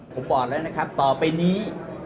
ผมบอกแล้วนะครับต่อไปนี้